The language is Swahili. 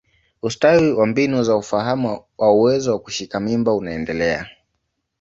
Ustawi wa mbinu za ufahamu wa uwezo wa kushika mimba unaendelea.